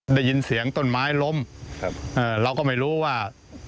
ได้ยินเสียงต้นไม้ล้มครับเอ่อเราก็ไม่รู้ว่า